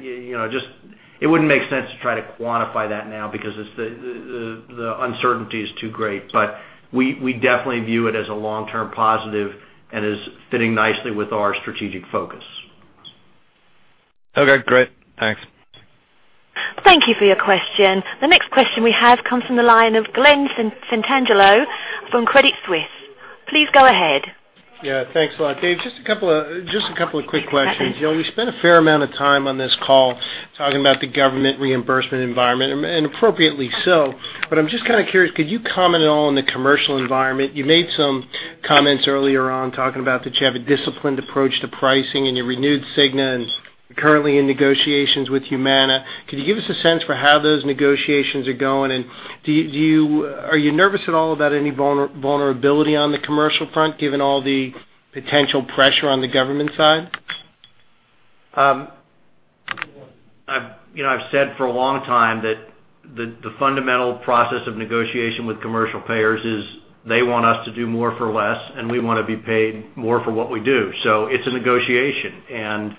It wouldn't make sense to try to quantify that now because the uncertainty is too great. But we definitely view it as a long-term positive and as fitting nicely with our strategic focus. Okay. Great. Thanks. Thank you for your question. The next question we have comes from the line of Glenn Santangelo from Credit Suisse. Please go ahead. Yeah. Thanks a lot, Dave. Just a couple of quick questions. We spent a fair amount of time on this call talking about the government reimbursement environment, and appropriately so. I'm just kind of curious, could you comment at all on the commercial environment? You made some comments earlier on talking about that you have a disciplined approach to pricing and you renewed Cigna, and you're currently in negotiations with Humana. Could you give us a sense for how those negotiations are going? Are you nervous at all about any vulnerability on the commercial front given all the potential pressure on the government side? I've said for a long time that the fundamental process of negotiation with commercial payers is they want us to do more for less, and we want to be paid more for what we do. It is a negotiation.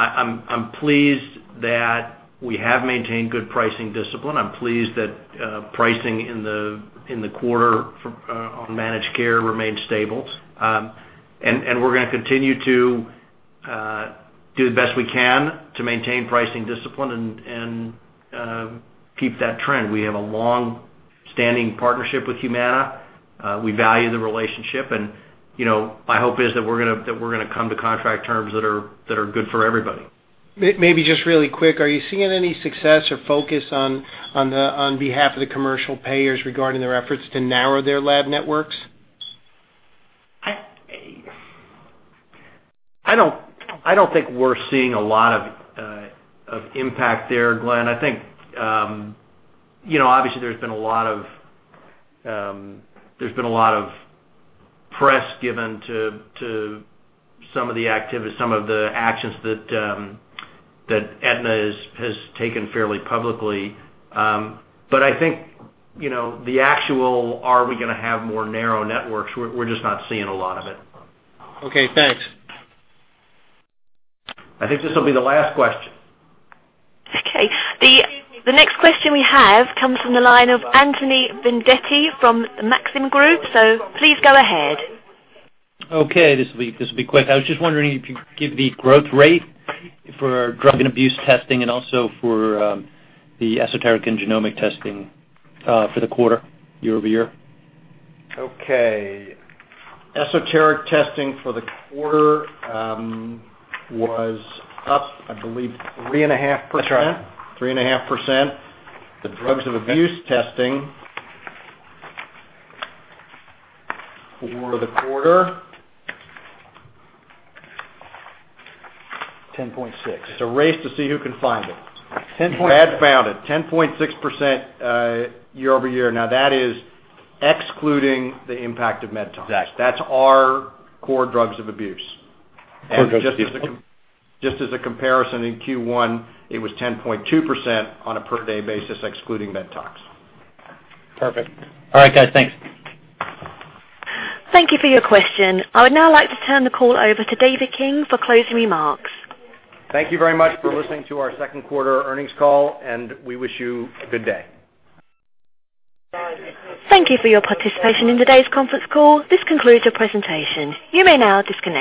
I'm pleased that we have maintained good pricing discipline. I'm pleased that pricing in the quarter on managed care remains stable. We are going to continue to do the best we can to maintain pricing discipline and keep that trend. We have a long-standing partnership with Humana. We value the relationship, and my hope is that we are going to come to contract terms that are good for everybody. Maybe just really quick, are you seeing any success or focus on behalf of the commercial payers regarding their efforts to narrow their lab networks? I do not think we are seeing a lot of impact there, Glenn. I think, obviously, there's been a lot of press given to some of the activities, some of the actions that Aetna has taken fairly publicly. I think the actual, "Are we going to have more narrow networks?" we're just not seeing a lot of it. Okay. Thanks. I think this will be the last question. Okay. The next question we have comes from the line of Anthony Vendetti from Maxim Group. Please go ahead. Okay. This will be quick. I was just wondering if you could give the growth rate for drug and abuse testing and also for the esoteric and genomic testing for the quarter, year-over-year. Okay. Esoteric testing for the quarter was up, I believe, 3.5%. That's right. 3.5%. The drugs of abuse testing for the quarter? 10.6%. It's a race to see who can find it. 10.6%. Brad found it. 10.6% year-over-year. Now, that is excluding the impact of MedTox. That's our core drugs of abuse. Just as a comparison, in Q1, it was 10.2% on a per-day basis, excluding MedTox. Perfect. All right, guys. Thanks. Thank you for your question. I would now like to turn the call over to David King for closing remarks. Thank you very much for listening to our second quarter earnings call, and we wish you a good day. Thank you for your participation in today's conference call. This concludes your presentation. You may now disconnect.